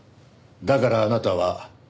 だからあなたは。